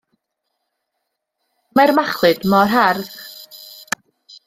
Mae'r machlud mor hardd.